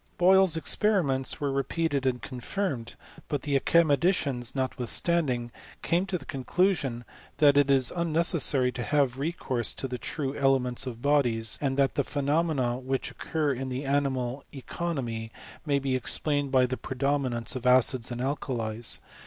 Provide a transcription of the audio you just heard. Boyle's experiments were re* peated and confirmed; but the academicians, not^ withstanding, came to the conclusion, that it is un necessary to have recourse to the true elements of bodies ; and that the phenomena which occur in the animal economy may be explained by the predomi* nance of acids or alkalies.